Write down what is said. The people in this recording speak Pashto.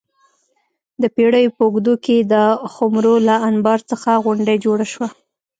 د پېړیو په اوږدو کې د خُمرو له انبار څخه غونډۍ جوړه شوه